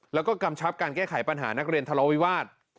แล้วก็กำชับการแก้ไขปัญหานักเรียนทะเลาวิวาส